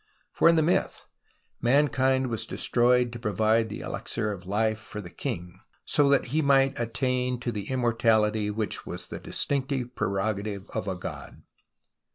For in the myth mankind was destroyed to provide the elixir of life for the king so that he might attain to the immortality, which was the distinctive prerogative of a god.